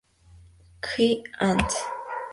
Kl., Anz.".